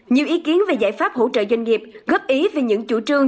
nhiều ý kiến về giải pháp hỗ trợ doanh nghiệp góp ý về những chủ trương